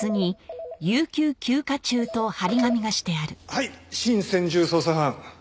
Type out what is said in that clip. はい新専従捜査班。